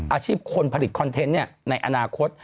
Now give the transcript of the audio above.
อาชีพคนผลิตคอนเทนต์ในอนาคต